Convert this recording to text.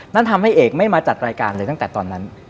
นั่นทำให้เอกไม่มาจัดรายการเลยตั้งแต่ตอนนั้น